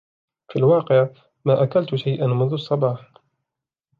في الواقع ، ما أكلت شيئاً منذ الصباح.